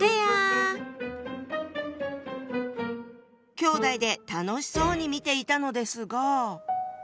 きょうだいで楽しそうに見ていたのですが。